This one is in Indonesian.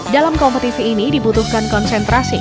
dalam kompetisi ini dibutuhkan konsentrasi